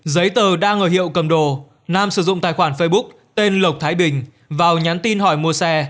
giấy tờ đa người hiệu cầm đồ nam sử dụng tài khoản facebook tên lộc thái bình vào nhắn tin hỏi mua xe